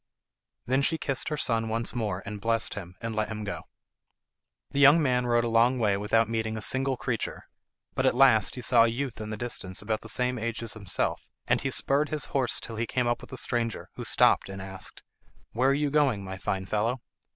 Then she kissed her son once more, and blessed him, and let him go. The young man rode a long way without meeting a single creature, but at last he saw a youth in the distance about the same age as himself, and he spurred his horse till he came up with the stranger, who stopped and asked: "Where are you going, my fine fellow?"